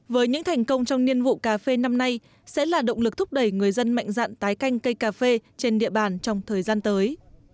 với những thành công trong niên vụ cà phê năm nay sẽ là động lực thúc đẩy người dân mạnh dạn tái canh cây cà phê trên địa bàn trong thời gian tới